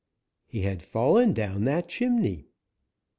He had fallen down that chimney!